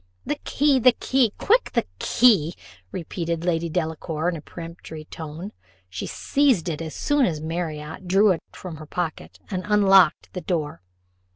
"The key the key quick, the key," repeated Lady Delacour, in a peremptory tone. She seized it as soon as Marriott drew it from her pocket, and unlocked the door.